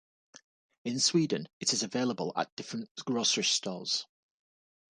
In Sweden it is available at different grocery stores.